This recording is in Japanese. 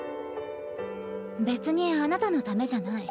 別にあなたのためじゃない。